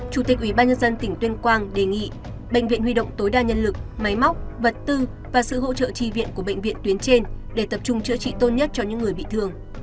chủ tịch ubnd tỉnh tuyên quang đề nghị bệnh viện huy động tối đa nhân lực máy móc vật tư và sự hỗ trợ tri viện của bệnh viện tuyến trên để tập trung chữa trị tốt nhất cho những người bị thương